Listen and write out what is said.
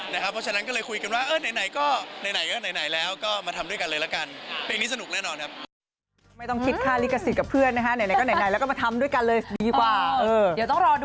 เพราะฉะนั้นก็เลยคุยกันว่าไหนก็ไหนแล้วก็มาทำด้วยกันเลยละกัน